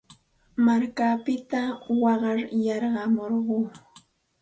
Markallaapita waqar yarqamurqaa.